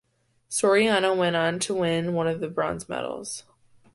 Soriano went on to win one of the bronze medals.